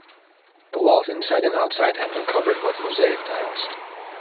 The walls inside and outside had been covered with mosaic tiles.